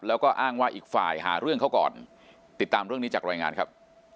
แล้วก็อ้างว่าอีกฝ่ายหาเรื่องเขาก่อนติดตามเรื่องนี้จากรายงานครับ